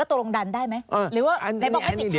แล้วตัวลงดันได้ไหม